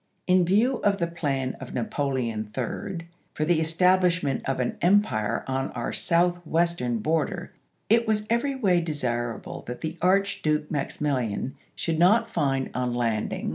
In view of the plan of Napoleon III. for the establishment of an empire on our Southwest ern border, it was every way desii able that the Archduke Maximilian should not find, on landing Halleck to Banks, Aug.